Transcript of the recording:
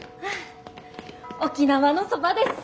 沖縄のそばです。